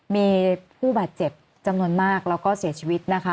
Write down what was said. มีผู้บาดเจ็บจำนวนมากแล้วก็เสียชีวิตนะคะ